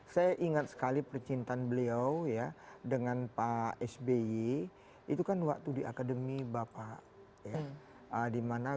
saya ingat sekali percintaan beliau ya dengan pak sby itu kan waktu di akademi bapak ya dimana